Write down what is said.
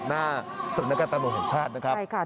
คุณภูริพัฒน์ครับ